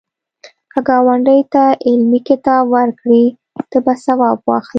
که ګاونډي ته علمي کتاب ورکړې، ته به ثواب واخلی